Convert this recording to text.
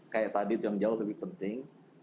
kayak tadi itu yang jauh lebih penting